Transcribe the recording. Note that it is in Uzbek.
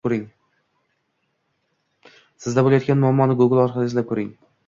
Sizda bo’layotgan muammoni Google orqali izlab ko’ring